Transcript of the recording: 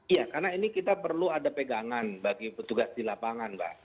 iya karena ini kita perlu ada pegangan bagi petugas di lapangan mbak